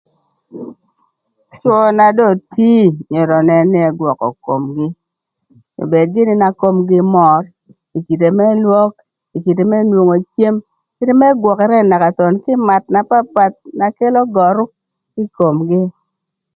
Cwö na do tii myero önën në ëgwökö komgï, obed gïnï na komgï mör, ï kite më lwök, ï kite më nwongo cem, kite më gwökërë naka thon kï ï math na papath na kelo görü ï komgï.